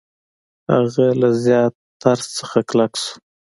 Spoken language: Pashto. هغه له زیات ترس نه کلک شو.